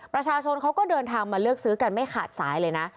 ประชาชนเขาก็เดินทางมาเลือกซื้อกันไม่ขาดสายเลยนะ